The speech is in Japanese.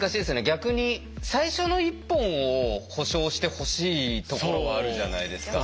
逆に最初の１本を保障してほしいところはあるじゃないですか。